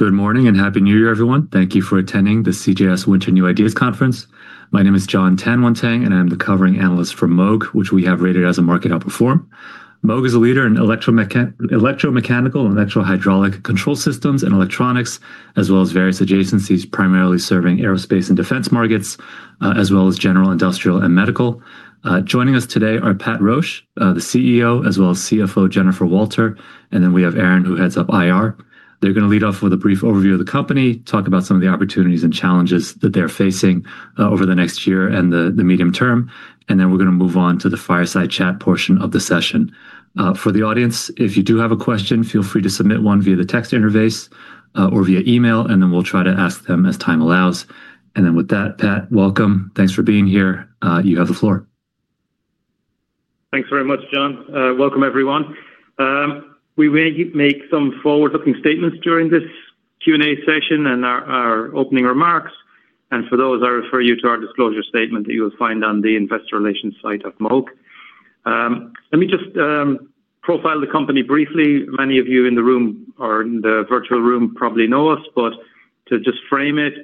Good morning and happy New Year, everyone. Thank you for attending the CJS Winter New Ideas Conference. My name is John Tanwanteng, and I'm the covering analyst for Moog, which we have rated as a market outperformer. Moog is a leader in electromechanical and electrohydraulic control systems and electronics, as well as various adjacencies primarily serving aerospace and defense markets, as well as general industrial and medical. Joining us today are Pat Roche, the CEO, as well as CFO Jennifer Walter, and then we have Aaron, who heads up IR. They're going to lead off with a brief overview of the company, talk about some of the opportunities and challenges that they're facing over the next year and the medium term, and then we're going to move on to the fireside chat portion of the session. For the audience, if you do have a question, feel free to submit one via the text interface or via email, and then we'll try to ask them as time allows. And then, with that, Pat, welcome. Thanks for being here. You have the floor. Thanks very much, John. Welcome, everyone. We may make some forward-looking statements during this Q&A session and our opening remarks. And for those, I refer you to our disclosure statement that you will find on the investor relations site of Moog. Let me just profile the company briefly. Many of you in the room or in the virtual room probably know us, but to just frame it,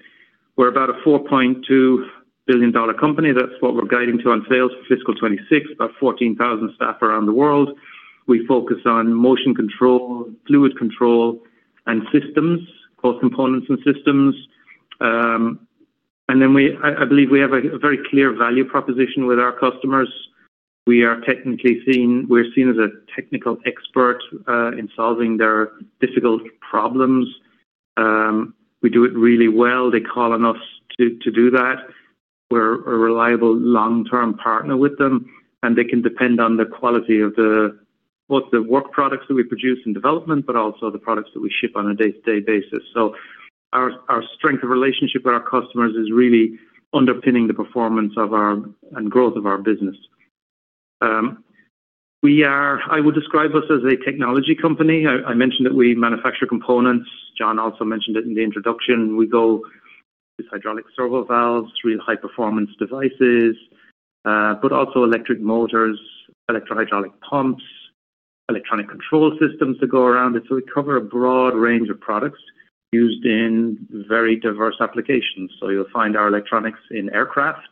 we're about a $4.2 billion company. That's what we're guiding to on sales for fiscal 2026, about 14,000 staff around the world. We focus on motion control, fluid control, and systems, both components and systems. And then I believe we have a very clear value proposition with our customers. We are technically seen; we're seen as a technical expert in solving their difficult problems. We do it really well. They call on us to do that. We're a reliable long-term partner with them, and they can depend on the quality of both the work products that we produce in development, but also the products that we ship on a day-to-day basis. So our strength of relationship with our customers is really underpinning the performance of our and growth of our business. I would describe us as a technology company. I mentioned that we manufacture components. John also mentioned it in the introduction. We go with hydraulic servo valves, real high-performance devices, but also electric motors, electrohydraulic pumps, electronic control systems that go around it. So we cover a broad range of products used in very diverse applications. So you'll find our electronics in aircraft,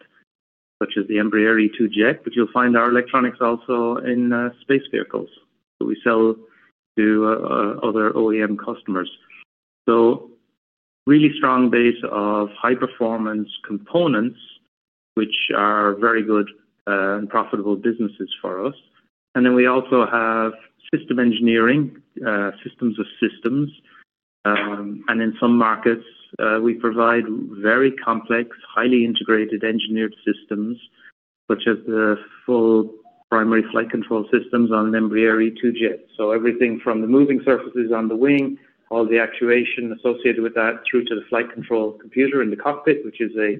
such as the Embraer E-Jets E2, but you'll find our electronics also in space vehicles. So we sell to other OEM customers. Really strong base of high-performance components, which are very good and profitable businesses for us. We also have system engineering, systems of systems. In some markets, we provide very complex, highly integrated engineered systems, such as the full primary flight control systems on an Embraer E-Jets E2. Everything from the moving surfaces on the wing, all the actuation associated with that, through to the flight control computer in the cockpit, which is a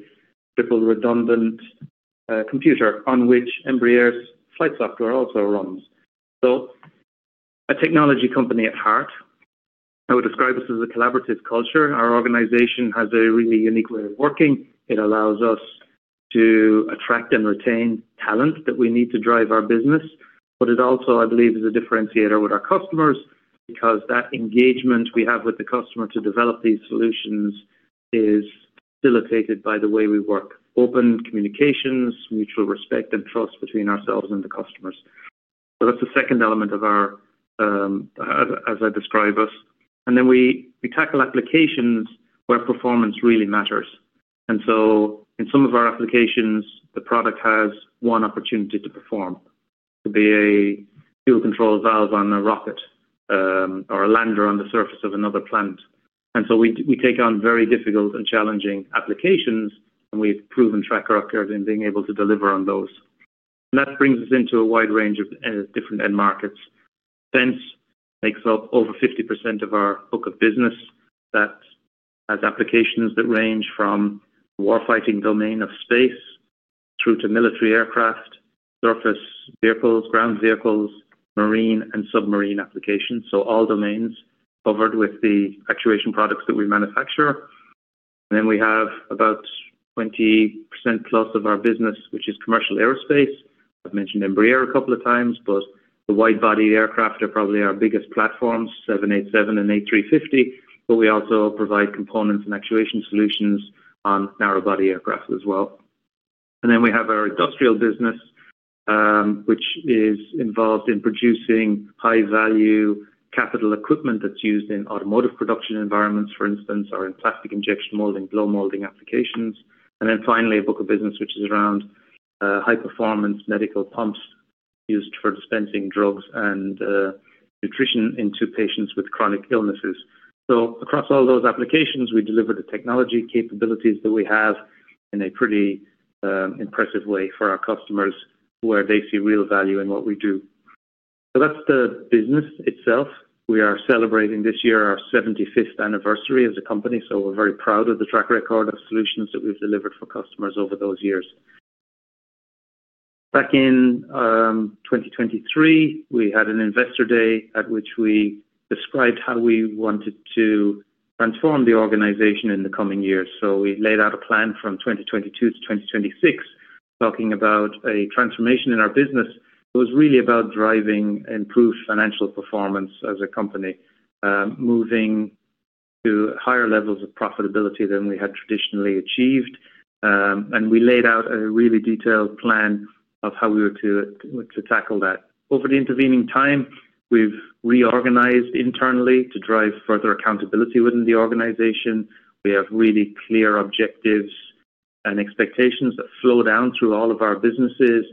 triple-redundant computer on which Embraer's flight software also runs. A technology company at heart, I would describe us as a collaborative culture. Our organization has a really unique way of working. It allows us to attract and retain talent that we need to drive our business, but it also, I believe, is a differentiator with our customers because that engagement we have with the customer to develop these solutions is facilitated by the way we work: open communications, mutual respect, and trust between ourselves and the customers. So that's the second element of our, as I describe us. And then we tackle applications where performance really matters. And so in some of our applications, the product has one opportunity to perform, to be a fuel control valve on a rocket or a lander on the surface of another planet. And so we take on very difficult and challenging applications, and we've proven track record in being able to deliver on those. And that brings us into a wide range of different end markets. Defense makes up over 50% of our book of business. That has applications that range from warfighting domain of space through to military aircraft, surface vehicles, ground vehicles, marine and submarine applications, so all domains covered with the actuation products that we manufacture, and then we have about 20% plus of our business, which is commercial aerospace. I've mentioned Embraer a couple of times, but the wide-body aircraft are probably our biggest platforms: 787 and A350, but we also provide components and actuation solutions on narrow-body aircraft as well, and then we have our industrial business, which is involved in producing high-value capital equipment that's used in automotive production environments, for instance, or in plastic injection molding, blow molding applications, and then finally, our book of business which is around high-performance medical pumps used for dispensing drugs and nutrition into patients with chronic illnesses. So across all those applications, we deliver the technology capabilities that we have in a pretty impressive way for our customers where they see real value in what we do. So that's the business itself. We are celebrating this year our 75th anniversary as a company, so we're very proud of the track record of solutions that we've delivered for customers over those years. Back in 2023, we had an investor day at which we described how we wanted to transform the organization in the coming years. So we laid out a plan from 2022 to 2026, talking about a transformation in our business that was really about driving improved financial performance as a company, moving to higher levels of profitability than we had traditionally achieved. And we laid out a really detailed plan of how we were to tackle that. Over the intervening time, we've reorganized internally to drive further accountability within the organization. We have really clear objectives and expectations that flow down through all of our businesses,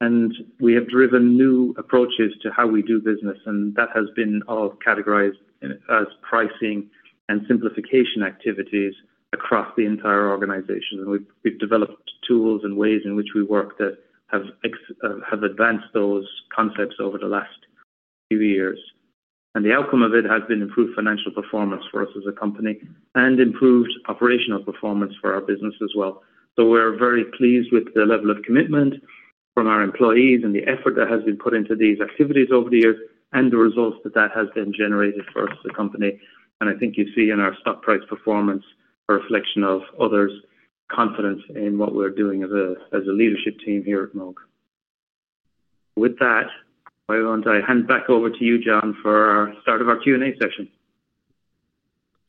and we have driven new approaches to how we do business, and that has been all categorized as pricing and simplification activities across the entire organization. And we've developed tools and ways in which we work that have advanced those concepts over the last few years. And the outcome of it has been improved financial performance for us as a company and improved operational performance for our business as well. So we're very pleased with the level of commitment from our employees and the effort that has been put into these activities over the years and the results that that has been generated for us as a company. And I think you see in our stock price performance a reflection of others' confidence in what we're doing as a leadership team here at Moog. With that, I want to hand back over to you, John, for our start of our Q&A session.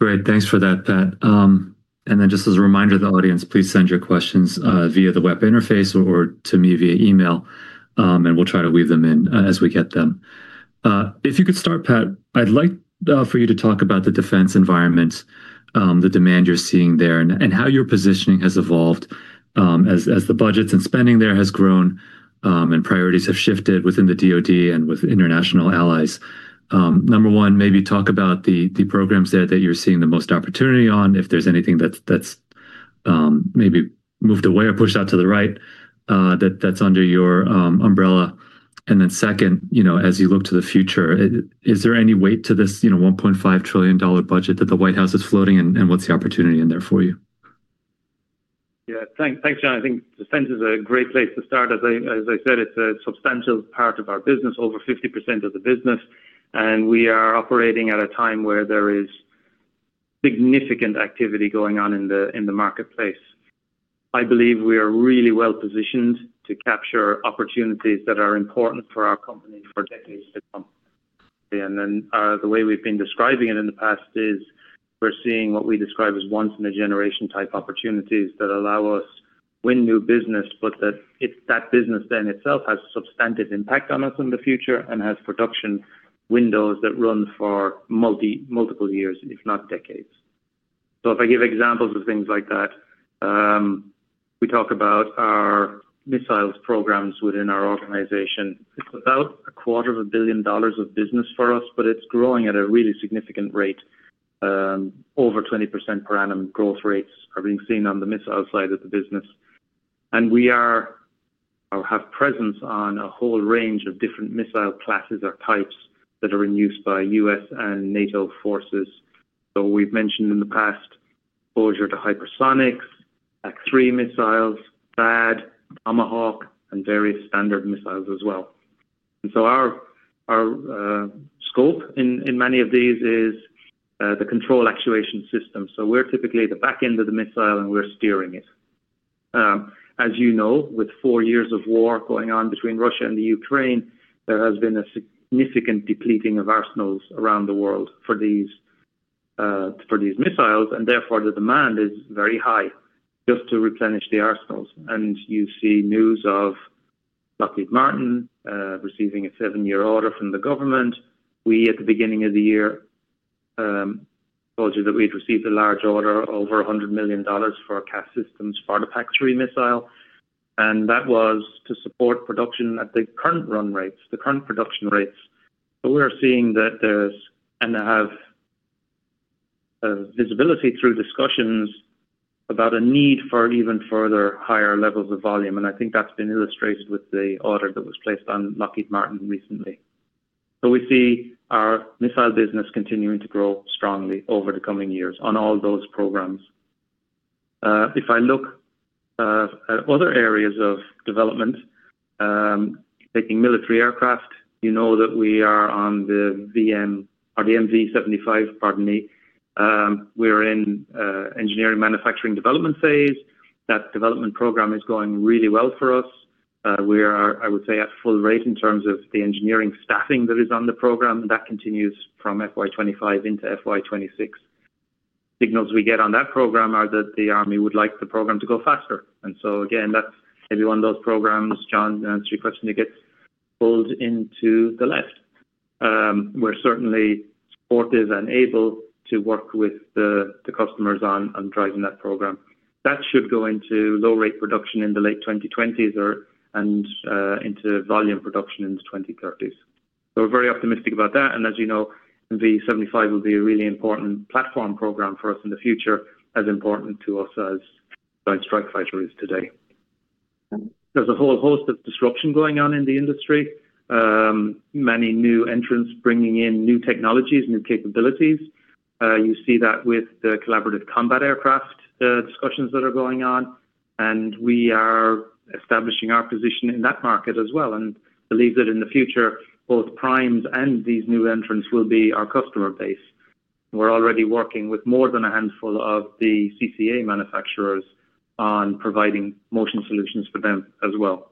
Great. Thanks for that, Pat. And then just as a reminder to the audience, please send your questions via the web interface or to me via email, and we'll try to weave them in as we get them. If you could start, Pat, I'd like for you to talk about the defense environment, the demand you're seeing there, and how your positioning has evolved as the budgets and spending there have grown and priorities have shifted within the DoD and with international allies. Number one, maybe talk about the programs there that you're seeing the most opportunity on, if there's anything that's maybe moved away or pushed out to the right that's under your umbrella. And then second, as you look to the future, is there any weight to this $1.5 trillion budget that the White House is floating, and what's the opportunity in there for you? Yeah. Thanks, John. I think defense is a great place to start. As I said, it's a substantial part of our business, over 50% of the business, and we are operating at a time where there is significant activity going on in the marketplace. I believe we are really well positioned to capture opportunities that are important for our company for decades to come. And then the way we've been describing it in the past is we're seeing what we describe as once-in-a-generation type opportunities that allow us to win new business, but that business then itself has substantive impact on us in the future and has production windows that run for multiple years, if not decades. So if I give examples of things like that, we talk about our missiles programs within our organization. It's $250 million of business for us, but it's growing at a really significant rate. Over 20% per annum growth rates are being seen on the missile side of the business, and we have presence on a whole range of different missile classes or types that are in use by U.S. and NATO forces. So we've mentioned in the past, Voyager to hypersonics, PAC-3 missiles, THAAD, Tomahawk, and various standard missiles as well, and so our scope in many of these is the control actuation system. So we're typically the back end of the missile, and we're steering it. As you know, with four years of war going on between Russia and Ukraine, there has been a significant depleting of arsenals around the world for these missiles, and therefore the demand is very high just to replenish the arsenals. You see news of Lockheed Martin receiving a seven-year order from the government. We, at the beginning of the year, told you that we had received a large order, over $100 million for CAS systems, PAC-3 missile. That was to support production at the current run rates, the current production rates. We're seeing that there is and we have visibility through discussions about a need for even further higher levels of volume. I think that's been illustrated with the order that was placed on Lockheed Martin recently. We see our missile business continuing to grow strongly over the coming years on all those programs. If I look at other areas of development, taking military aircraft, you know that we are on the FLRAA, pardon me. We're in engineering manufacturing development phase. That development program is going really well for us. We are, I would say, at full rate in terms of the engineering staffing that is on the program, and that continues from FY2025 into FY26. Signals we get on that program are that the Army would like the program to go faster. And so again, that's maybe one of those programs, John, to your question, it gets pulled into the left. We're certainly supportive and able to work with the customers on driving that program. That should go into low-rate production in the late 2020s and into volume production in the 2030s. So we're very optimistic about that. And as you know, FLRAA will be a really important platform program for us in the future, as important to us as Joint Strike Fighter is today. There's a whole host of disruption going on in the industry, many new entrants bringing in new technologies, new capabilities. You see that with the collaborative combat aircraft discussions that are going on, and we are establishing our position in that market as well and believe that in the future, both primes and these new entrants will be our customer base. We're already working with more than a handful of the CCA manufacturers on providing motion solutions for them as well.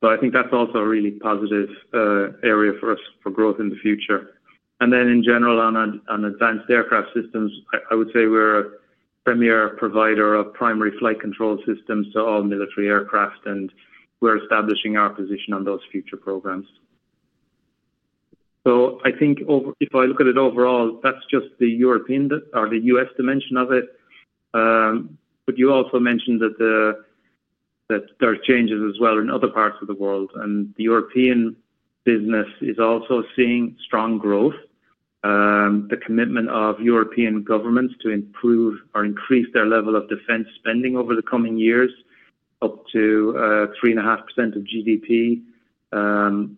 So I think that's also a really positive area for us for growth in the future. And then in general, on advanced aircraft systems, I would say we're a premier provider of primary flight control systems to all military aircraft, and we're establishing our position on those future programs. So I think if I look at it overall, that's just the European or the U.S. dimension of it. But you also mentioned that there are changes as well in other parts of the world, and the European business is also seeing strong growth. The commitment of European governments to improve or increase their level of defense spending over the coming years, up to 3.5% of GDP on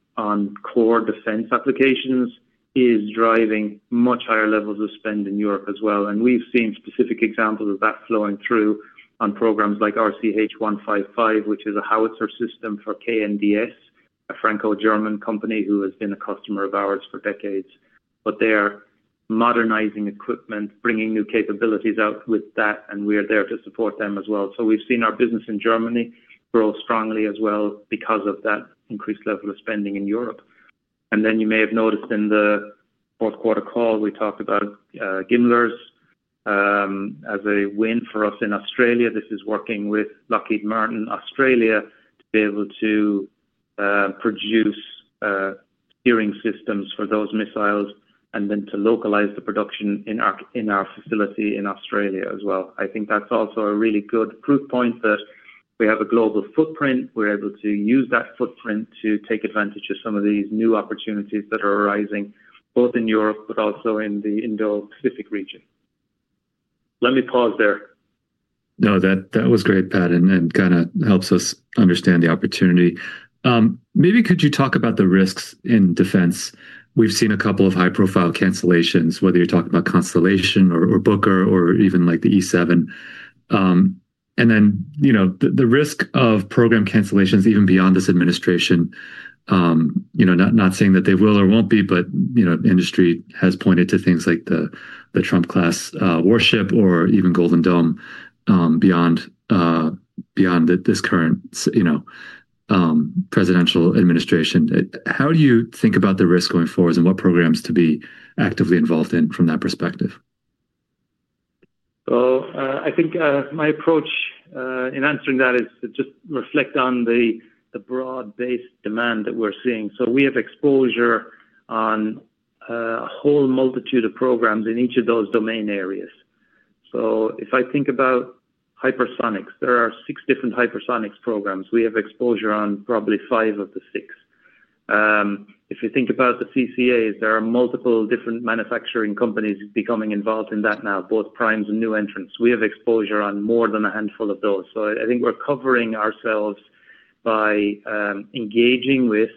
core defense applications, is driving much higher levels of spend in Europe as well. And we've seen specific examples of that flowing through on programs like RCH 155, which is a howitzer system for KNDS, a Franco-German company who has been a customer of ours for decades. But they are modernizing equipment, bringing new capabilities out with that, and we are there to support them as well. So we've seen our business in Germany grow strongly as well because of that increased level of spending in Europe. And then you may have noticed in the fourth quarter call, we talked about GMLRS as a win for us in Australia. This is working with Lockheed Martin Australia to be able to produce steering systems for those missiles and then to localize the production in our facility in Australia as well. I think that's also a really good proof point that we have a global footprint. We're able to use that footprint to take advantage of some of these new opportunities that are arising both in Europe but also in the Indo-Pacific region. Let me pause there. No, that was great, Pat, and kind of helps us understand the opportunity. Maybe could you talk about the risks in defense? We've seen a couple of high-profile cancellations, whether you're talking about Constellation or Booker or even the E-7. And then the risk of program cancellations even beyond this administration, not saying that they will or won't be, but industry has pointed to things like the Trump-class warship or even Iron Dome beyond this current presidential administration. How do you think about the risk going forward and what programs to be actively involved in from that perspective? So I think my approach in answering that is to just reflect on the broad-based demand that we're seeing. So we have exposure on a whole multitude of programs in each of those domain areas. So if I think about hypersonics, there are six different hypersonics programs. We have exposure on probably five of the six. If you think about the CCAs, there are multiple different manufacturing companies becoming involved in that now, both Primes and new entrants. We have exposure on more than a handful of those. So I think we're covering ourselves by engaging with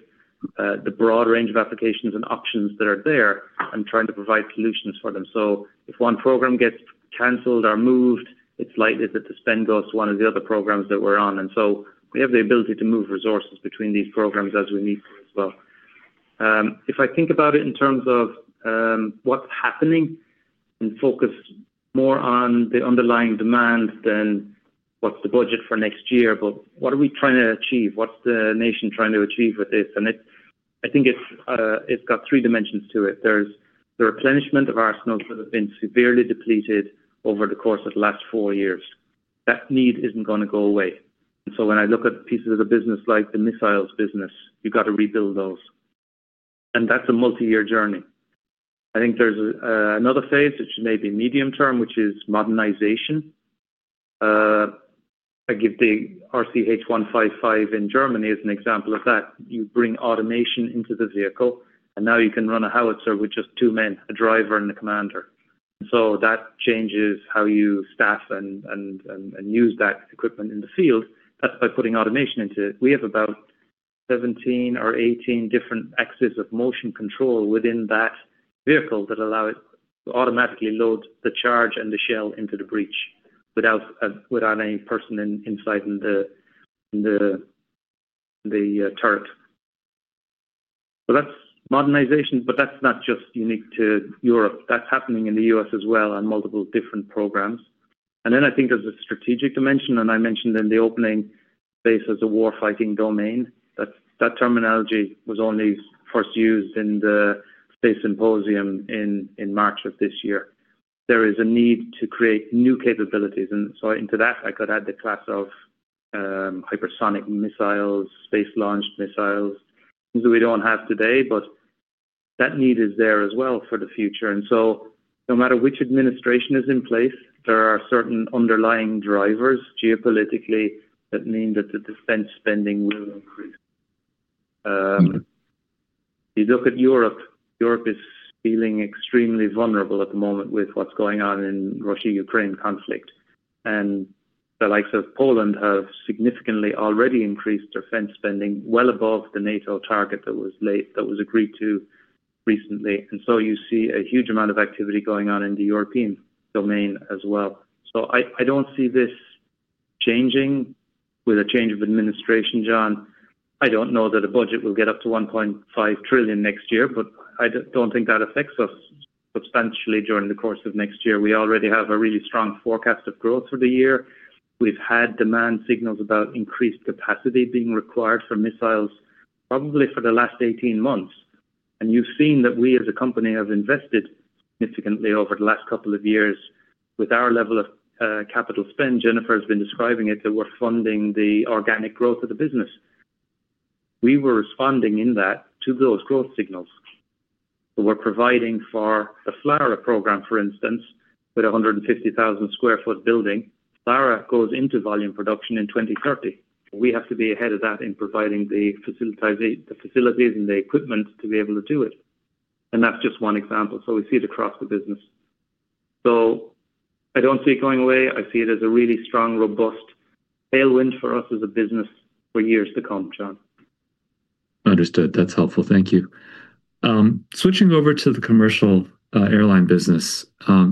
the broad range of applications and options that are there and trying to provide solutions for them. So if one program gets canceled or moved, it's likely that the spend goes to one of the other programs that we're on. And so we have the ability to move resources between these programs as we need to as well. If I think about it in terms of what's happening and focus more on the underlying demand than what's the budget for next year, but what are we trying to achieve? What's the nation trying to achieve with this? And I think it's got three dimensions to it. There's the replenishment of arsenals that have been severely depleted over the course of the last four years. That need isn't going to go away. And so when I look at pieces of the business like the missiles business, you've got to rebuild those. And that's a multi-year journey. I think there's another phase, which may be medium term, which is modernization. I give the RCH 155 in Germany as an example of that. You bring automation into the vehicle, and now you can run a howitzer with just two men, a driver and a commander. And so that changes how you staff and use that equipment in the field. That's by putting automation into it. We have about 17 or 18 different axes of motion control within that vehicle that allow it to automatically load the charge and the shell into the breech without any person inside the turret. So that's modernization, but that's not just unique to Europe. That's happening in the U.S. as well on multiple different programs. And then I think there's a strategic dimension, and I mentioned in the opening space as a warfighting domain. That terminology was only first used in the Space Symposium in March of this year. There is a need to create new capabilities. And so into that, I could add the class of hypersonic missiles, space-launched missiles, things that we don't have today, but that need is there as well for the future. And so no matter which administration is in place, there are certain underlying drivers geopolitically that mean that the defense spending will increase. You look at Europe. Europe is feeling extremely vulnerable at the moment with what's going on in the Russia-Ukraine conflict. And the likes of Poland have significantly already increased defense spending well above the NATO target that was agreed to recently. And so you see a huge amount of activity going on in the European domain as well. So I don't see this changing with a change of administration, John. I don't know that a budget will get up to $1.5 trillion next year, but I don't think that affects us substantially during the course of next year. We already have a really strong forecast of growth for the year. We've had demand signals about increased capacity being required for missiles probably for the last 18 months. And you've seen that we as a company have invested significantly over the last couple of years with our level of capital spend. Jennifer has been describing it that we're funding the organic growth of the business. We were responding in that to those growth signals. We're providing for the FLRAA program, for instance, with a 150,000 sq ft building. FLRAA goes into volume production in 2030. We have to be ahead of that in providing the facilities and the equipment to be able to do it. And that's just one example. So we see it across the business. So I don't see it going away. I see it as a really strong, robust tailwind for us as a business for years to come, John. Understood. That's helpful. Thank you. Switching over to the commercial airline business,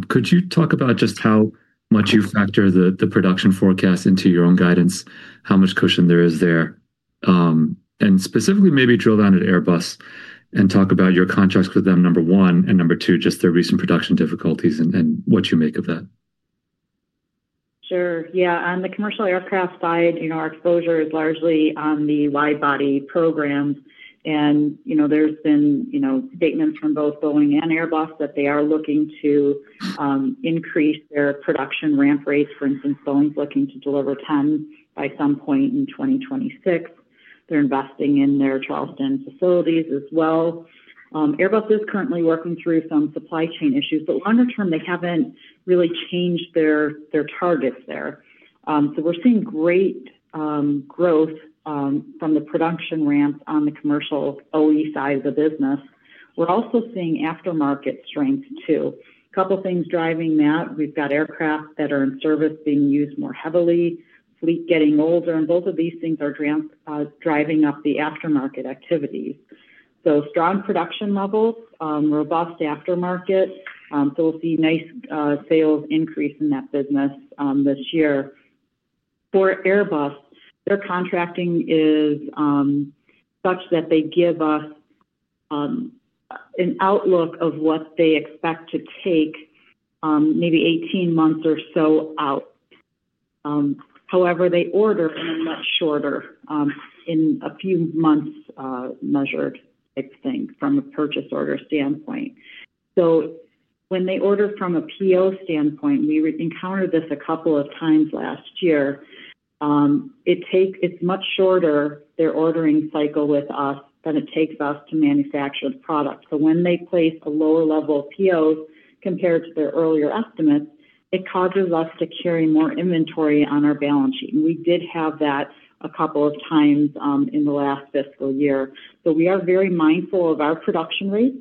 could you talk about just how much you factor the production forecast into your own guidance, how much cushion there is there, and specifically maybe drill down at Airbus and talk about your contracts with them, number one, and number two, just their recent production difficulties and what you make of that? Sure. Yeah. On the commercial aircraft side, our exposure is largely on the widebody programs, and there's been statements from both Boeing and Airbus that they are looking to increase their production ramp rates. For instance, Boeing's looking to deliver 10 by some point in 2026. They're investing in their Charleston facilities as well. Airbus is currently working through some supply chain issues, but longer term, they haven't really changed their targets there, so we're seeing great growth from the production ramps on the commercial OE side of the business. We're also seeing aftermarket strength too. A couple of things driving that. We've got aircraft that are in service being used more heavily, fleet getting older, and both of these things are driving up the aftermarket activities, so strong production levels, robust aftermarket, so we'll see nice sales increase in that business this year. For Airbus, their contracting is such that they give us an outlook of what they expect to take maybe 18 months or so out. However, they order in a much shorter, in a few months measured type thing from a purchase order standpoint, so when they order from a PO standpoint, we encountered this a couple of times last year. It's much shorter their ordering cycle with us than it takes us to manufacture the product, so when they place a lower level of POs compared to their earlier estimates, it causes us to carry more inventory on our balance sheet, and we did have that a couple of times in the last fiscal year, so we are very mindful of our production rates.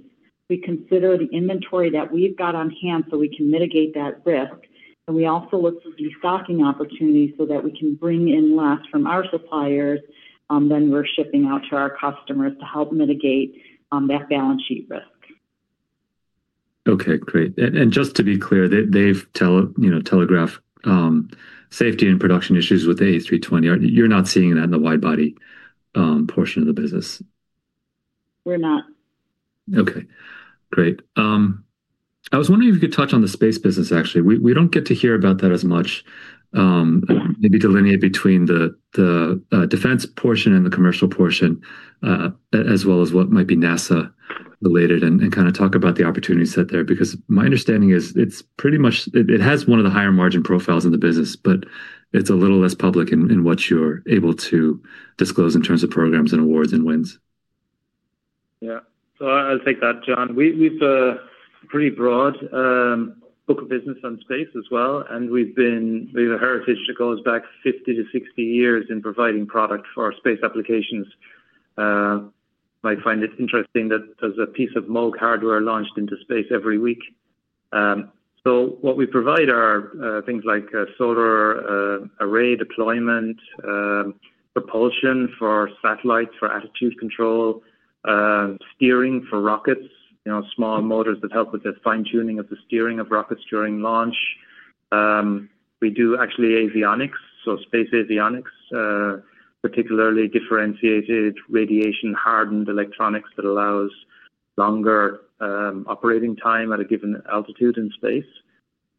We consider the inventory that we've got on hand so we can mitigate that risk. We also look for restocking opportunities so that we can bring in less from our suppliers than we're shipping out to our customers to help mitigate that balance sheet risk. Okay. Great. And just to be clear, they've telegraphed safety and production issues with the A320. You're not seeing that in the widebody portion of the business? We're not. Okay. Great. I was wondering if you could touch on the space business, actually. We don't get to hear about that as much. Maybe delineate between the defense portion and the commercial portion as well as what might be NASA-related and kind of talk about the opportunities set there because my understanding is it has one of the higher margin profiles in the business, but it's a little less public in what you're able to disclose in terms of programs and awards and wins. Yeah. So I'll take that, John. We've a pretty broad book of business on space as well. And we have a heritage that goes back 50-60 years in providing product for space applications. You might find it interesting that there's a piece of Moog hardware launched into space every week. So what we provide are things like solar array deployment, propulsion for satellites for attitude control, steering for rockets, small motors that help with the fine-tuning of the steering of rockets during launch. We do actually avionics, so space avionics, particularly differentiated radiation-hardened electronics that allows longer operating time at a given altitude in space.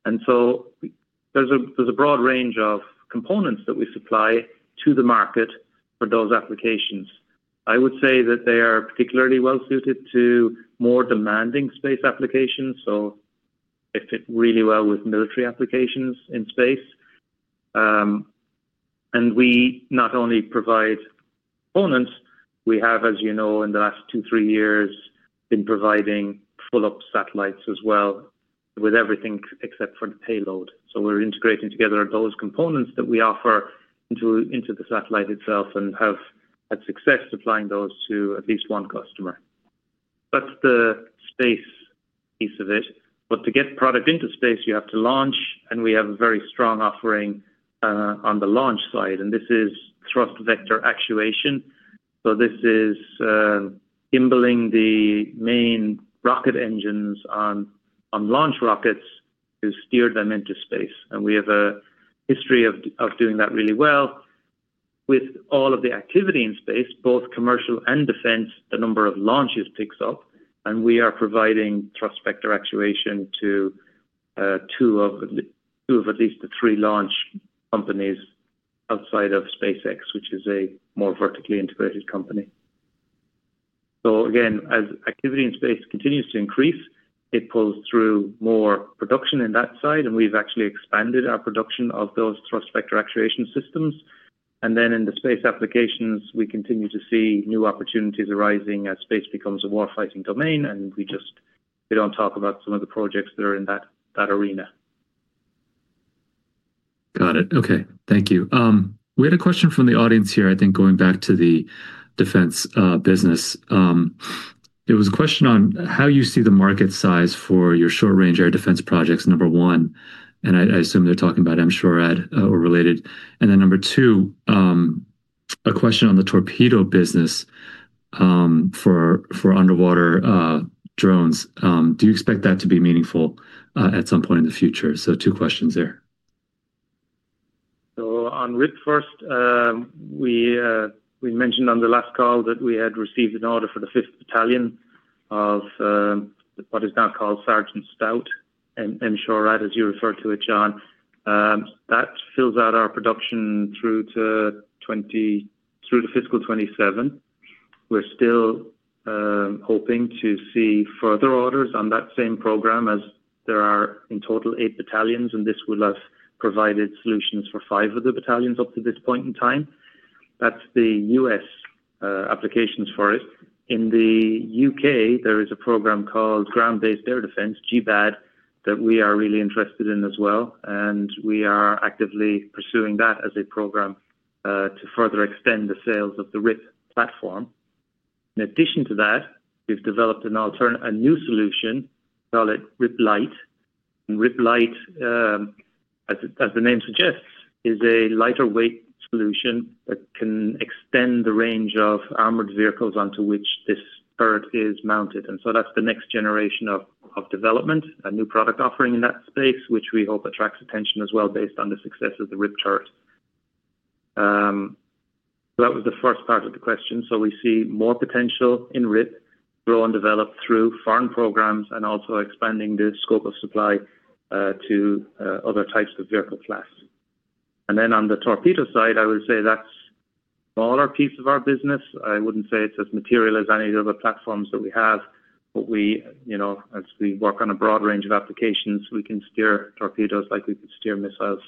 And so there's a broad range of components that we supply to the market for those applications. I would say that they are particularly well-suited to more demanding space applications. So they fit really well with military applications in space. We not only provide components. We have, as you know, in the last two, three years, been providing full-up satellites as well with everything except for the payload. We're integrating together those components that we offer into the satellite itself and have had success supplying those to at least one customer. That's the space piece of it. To get product into space, you have to launch, and we have a very strong offering on the launch side. This is thrust vector actuation. This is gimballing the main rocket engines on launch rockets to steer them into space. We have a history of doing that really well. With all of the activity in space, both commercial and defense, the number of launches picks up, and we are providing thrust vector actuation to two of at least the three launch companies outside of SpaceX, which is a more vertically integrated company, so again, as activity in space continues to increase, it pulls through more production in that side, and we've actually expanded our production of those thrust vector actuation systems, and then in the space applications, we continue to see new opportunities arising as space becomes a warfighting domain, and we don't talk about some of the projects that are in that arena. Got it. Okay. Thank you. We had a question from the audience here, I think going back to the defense business. It was a question on how you see the market size for your short-range air defense projects, number one. And I assume they're talking about M-SHORAD or related. And then number two, a question on the torpedo business for underwater drones. Do you expect that to be meaningful at some point in the future? So two questions there. On RIwP, we mentioned on the last call that we had received an order for the fifth battalion of what is now called Sergeant Stout, M-SHORAD, as you referred to it, John. That fills out our production through to fiscal 2027. We're still hoping to see further orders on that same program as there are in total eight battalions, and this would have provided solutions for five of the battalions up to this point in time. That's the U.S. applications for it. In the U.K., there is a program called Ground-Based Air Defense, GBAD, that we are really interested in as well. We are actively pursuing that as a program to further extend the sales of the RIwP platform. In addition to that, we've developed a new solution called RIwP Light. And RIwP Light, as the name suggests, is a lighter-weight solution that can extend the range of armored vehicles onto which this turret is mounted. And so that's the next generation of development, a new product offering in that space, which we hope attracts attention as well based on the success of the RIwP turret. That was the first part of the question. So we see more potential in RIwP grow and develop through foreign programs and also expanding the scope of supply to other types of vehicle class. And then on the torpedo side, I would say that's a smaller piece of our business. I wouldn't say it's as material as any of the other platforms that we have, but as we work on a broad range of applications, we can steer torpedoes like we could steer missiles.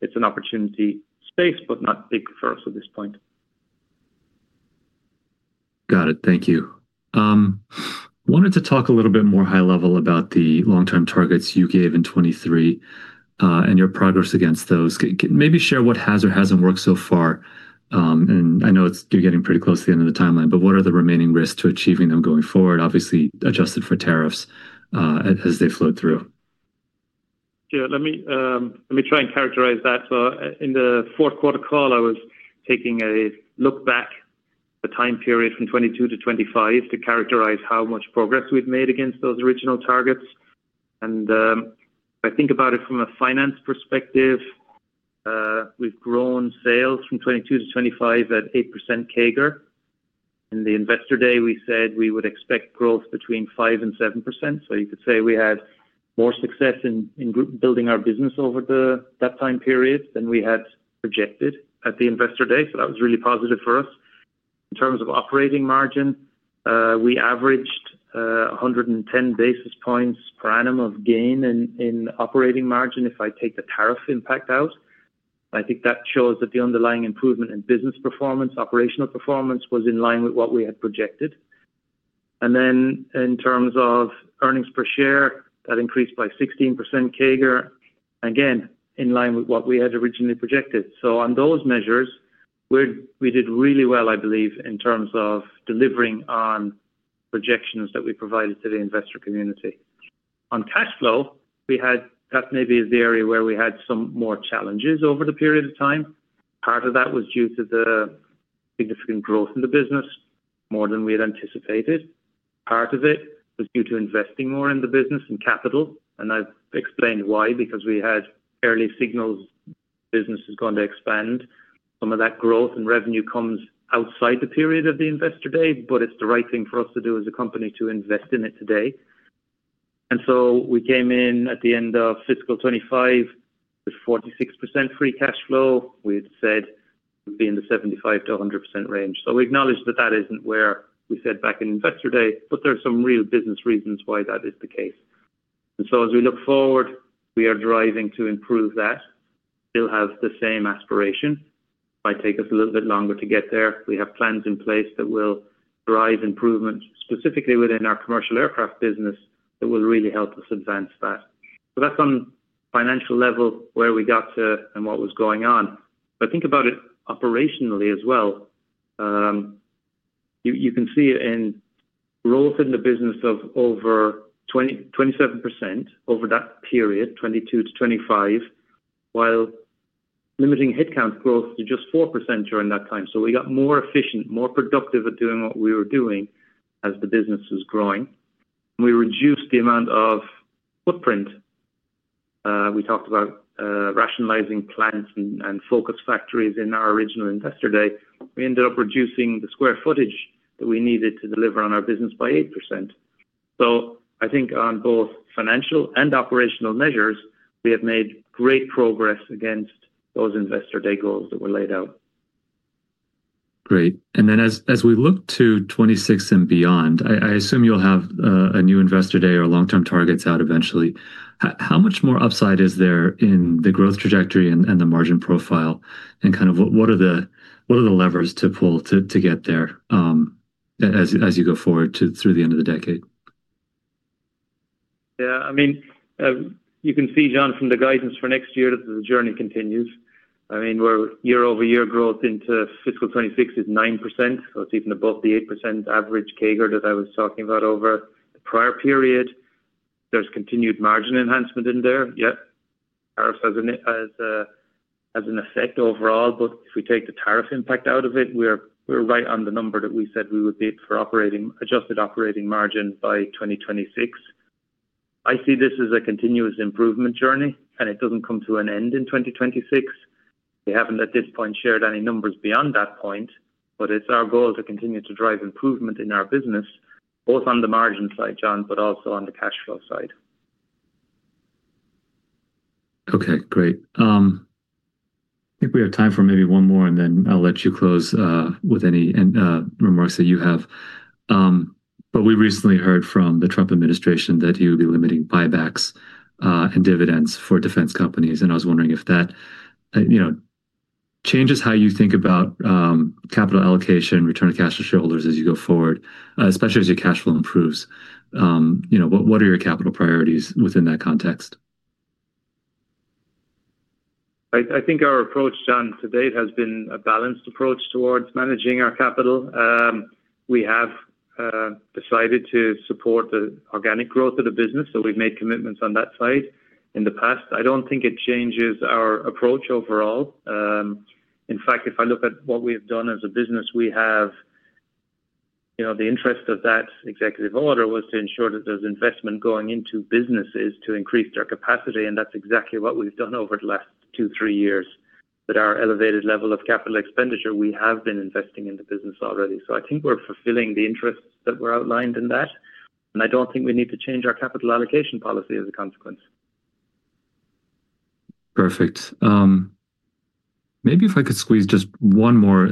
It's an opportunity space, but not big for us at this point. Got it. Thank you. Wanted to talk a little bit more high level about the long-term targets you gave in 2023 and your progress against those. Maybe share what has or hasn't worked so far. And I know you're getting pretty close to the end of the timeline, but what are the remaining risks to achieving them going forward, obviously adjusted for tariffs as they flow through? Yeah. Let me try and characterize that. So in the fourth quarter call, I was taking a look back at the time period from 2022 to 2025 to characterize how much progress we've made against those original targets, and if I think about it from a finance perspective, we've grown sales from 2022 to 2025 at 8% CAGR. In the investor day, we said we would expect growth between 5% and 7%. So you could say we had more success in building our business over that time period than we had projected at the investor day, so that was really positive for us. In terms of operating margin, we averaged 110 basis points per annum of gain in operating margin if I take the tariff impact out. I think that shows that the underlying improvement in business performance, operational performance was in line with what we had projected. In terms of earnings per share, that increased by 16% CAGR, again, in line with what we had originally projected. On those measures, we did really well, I believe, in terms of delivering on projections that we provided to the investor community. On cash flow, that maybe is the area where we had some more challenges over the period of time. Part of that was due to the significant growth in the business, more than we had anticipated. Part of it was due to investing more in the business and capital. I've explained why, because we had early signals business has gone to expand. Some of that growth and revenue comes outside the period of the investor day, but it's the right thing for us to do as a company to invest in it today. And so we came in at the end of fiscal 2025 with 46% free cash flow. We had said we'd be in the 75%-100% range. So we acknowledged that that isn't where we said back in investor day, but there are some real business reasons why that is the case. And so as we look forward, we are driving to improve that. We'll have the same aspiration. It might take us a little bit longer to get there. We have plans in place that will drive improvement specifically within our commercial aircraft business that will really help us advance that. So that's on financial level where we got to and what was going on. But think about it operationally as well. You can see the growth in the business of over 27% over that period, 2022 to 2025, while limiting headcount growth to just 4% during that time. So we got more efficient, more productive at doing what we were doing as the business was growing. We reduced the amount of footprint. We talked about rationalizing plants and focus factories in our original investor day. We ended up reducing the square footage that we needed to deliver on our business by 8%. So I think on both financial and operational measures, we have made great progress against those investor day goals that were laid out. Great. And then as we look to 2026 and beyond, I assume you'll have a new investor day or long-term targets out eventually. How much more upside is there in the growth trajectory and the margin profile? And kind of what are the levers to pull to get there as you go forward through the end of the decade? Yeah. I mean, you can see, John, from the guidance for next year that the journey continues. I mean, where year-over-year growth into fiscal 2026 is 9%, so it's even above the 8% average CAGR that I was talking about over the prior period. There's continued margin enhancement in there. Yeah. Tariffs have an effect overall, but if we take the tariff impact out of it, we're right on the number that we said we would be for adjusted operating margin by 2026. I see this as a continuous improvement journey, and it doesn't come to an end in 2026. We haven't at this point shared any numbers beyond that point, but it's our goal to continue to drive improvement in our business, both on the margin side, John, but also on the cash flow side. Okay. Great. I think we have time for maybe one more, and then I'll let you close with any remarks that you have. But we recently heard from the Trump administration that he would be limiting buybacks and dividends for defense companies. And I was wondering if that changes how you think about capital allocation, return of cash to shareholders as you go forward, especially as your cash flow improves. What are your capital priorities within that context? I think our approach, John, to date has been a balanced approach towards managing our capital. We have decided to support the organic growth of the business, so we've made commitments on that side in the past. I don't think it changes our approach overall. In fact, if I look at what we have done as a business, we have the interest of that executive order was to ensure that there's investment going into businesses to increase their capacity. That's exactly what we've done over the last two, three years. At our elevated level of capital expenditure, we have been investing in the business already. So I think we're fulfilling the interests that were outlined in that. I don't think we need to change our capital allocation policy as a consequence. Perfect. Maybe if I could squeeze just one more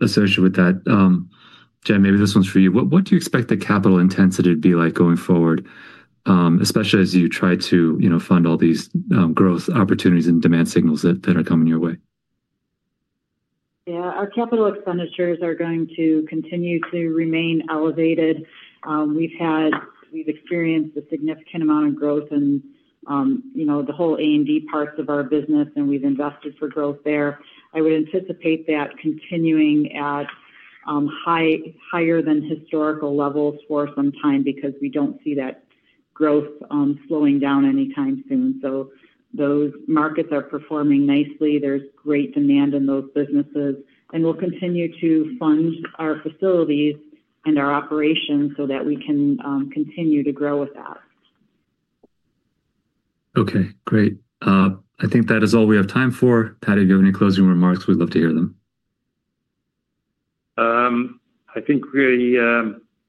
associated with that, Jen, maybe this one's for you. What do you expect the capital intensity to be like going forward, especially as you try to fund all these growth opportunities and demand signals that are coming your way? Yeah. Our capital expenditures are going to continue to remain elevated. We've experienced a significant amount of growth in the whole A&D parts of our business, and we've invested for growth there. I would anticipate that continuing at higher than historical levels for some time because we don't see that growth slowing down anytime soon. So those markets are performing nicely. There's great demand in those businesses. And we'll continue to fund our facilities and our operations so that we can continue to grow with that. Okay. Great. I think that is all we have time for. Pat, if you have any closing remarks, we'd love to hear them. I think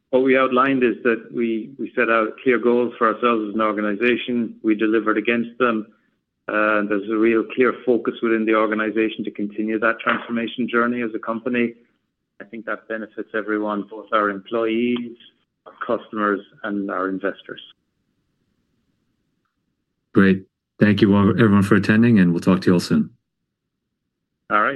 what we outlined is that we set out clear goals for ourselves as an organization. We delivered against them. There's a real clear focus within the organization to continue that transformation journey as a company. I think that benefits everyone, both our employees, our customers, and our investors. Great. Thank you, everyone, for attending, and we'll talk to you all soon. All right.